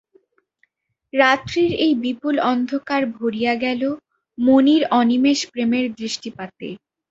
রাত্রির এই বিপুল অন্ধকার ভরিয়া গেল মণির অনিমেষ প্রেমের দৃষ্টিপাতে।